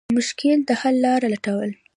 د مشکل د حل لارې لټول.